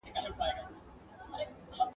کارنامې د لویو خلکو د لرغونو انسانانو ..